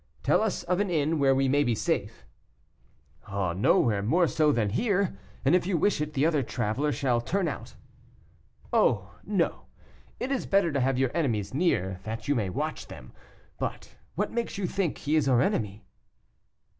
Tell us of an inn where we may be safe." "Nowhere more so than here, and if you wish it, the other traveler shall turn out." "Oh! no; it is better to have your enemies near, that you may watch them. But, what makes you think he is our enemy?"